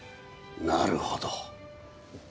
なるほど。